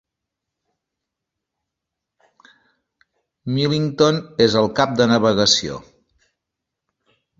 Millington és el cap de navegació.